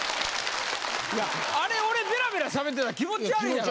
いやあれ俺ベラベラ喋ってたら気持ち悪いやろ？